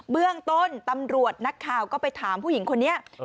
เบื้องต้นตำรวจนักข่าวก็ไปถามผู้หญิงคนนี้